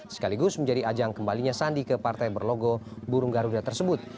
sekaligus menjadi ajang kembalinya sandi ke partai berlogo burung garuda tersebut